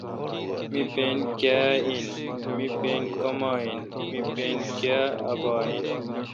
می پن کیا این۔۔می پین کما این۔۔می پن کاں بااین